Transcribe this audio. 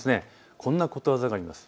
こんなことわざがあります。